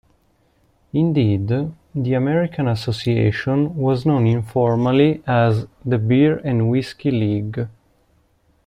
Indeed, the American Association was known informally as "the beer and whiskey league".